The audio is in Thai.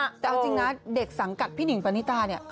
แต่เอาจริงนะเด็กสังกัดพี่หนิงปณิตาเนี่ย